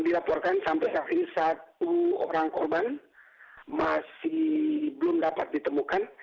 dilaporkan sampai saat ini satu orang korban masih belum dapat ditemukan